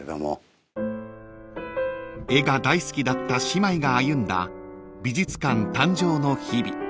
［絵が大好きだった姉妹が歩んだ美術館誕生の日々］